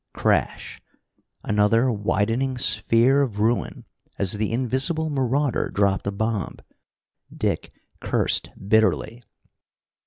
Crash! Another widening sphere of ruin as the invisible marauder dropped a bomb. Dick cursed bitterly.